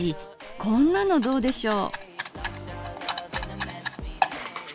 こんなのどうでしょう？